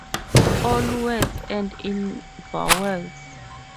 All words end in vowels.